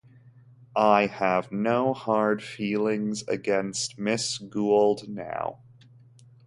I have no hard feelings against Mrs. Gould now.